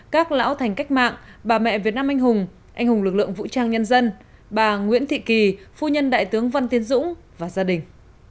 các lão thành cách mạng bà mẹ việt nam anh hùng anh hùng lực lượng vũ trang nhân dân bà nguyễn thị kỳ phu nhân đại tướng văn tiến dũng và gia đình